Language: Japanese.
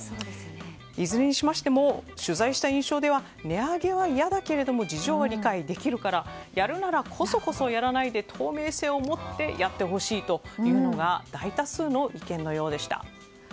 いずれにしても取材した印象では値上げは嫌だけれども事情は理解できるからやるならコソコソやらないで透明性を持ってやってほしいというのが大多数の意見のようでした。